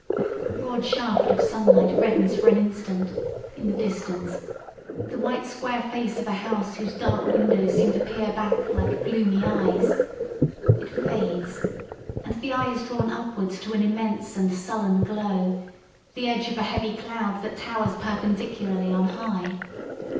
A broad shaft of sunlight reddens for an in stant, in the distance, the white square face of a house whose dark windows seem to peer back like gloomy eyes: it fades, and the eye is drawn upwards to an immense and sullen glow, the edge of a heavy cloud that towers perpendicularly on high.